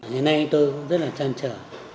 ngày nay tôi cũng rất là trăn trở